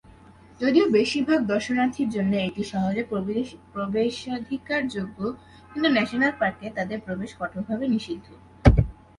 যদিও বেশিরভাগ দর্শনার্থীর জন্য এটি সহজে প্রবেশাধিকার যোগ্য, কিন্তু ন্যাশনাল পার্কে তাদের প্রবেশ কঠোরভাবে নিষিদ্ধ।